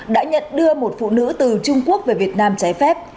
đã nhận đưa một phụ nữ từ trung quốc về việt nam trái phép